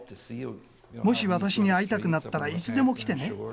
もし私に会いたくなったらいつでも来てね。